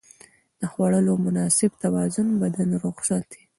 د خوړو مناسب توازن بدن روغ ساتي.